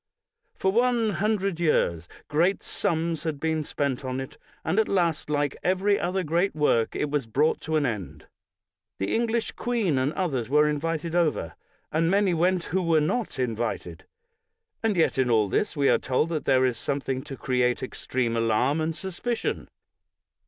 For one hundred years great sums had been spent on it, and at last, like every other great work, it was brought to an end. The English queen and others were invited over, and many went who were not invited. And yet in all this we are told that there is something to create extreme alarm and suspicion.